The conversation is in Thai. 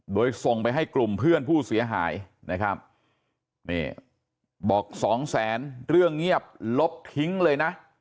โดยส่งไปให้กลุ่มเพื่อนผู้เสียหายนะครับนี่บอกสองแสนเรื่องเงียบลบทิ้งเลยนะ